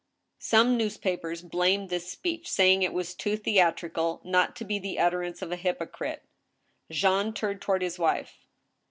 Some newspapers blamed this speech, saying it was too theatrical not to be the utterance of a hjrpocrite. Jean turned toward his wife.